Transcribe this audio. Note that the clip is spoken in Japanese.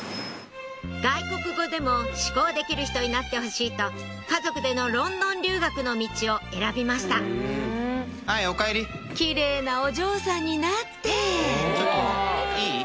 外国語でも思考できる人になってほしいと家族でのロンドン留学の道を選びましたキレイなお嬢さんになっていい？